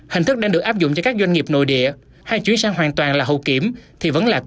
hình thức đang được áp dụng cho các doanh nghiệp nội địa